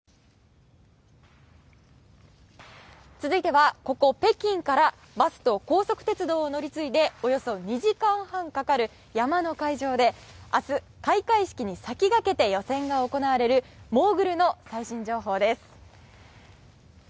続いては、ここ北京からバスと高速鉄道を乗り継いでおよそ２時間半かかる山の会場で明日、開会式に先駆けて予選が行われるモーグルの最新情報です。